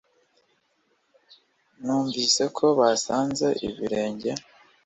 Numvise ko basanze ibirenge